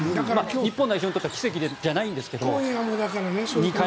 日本代表にとっては奇跡じゃないんですけど。